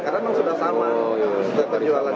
karena memang sudah sama sudah terjualan